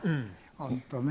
本当ね。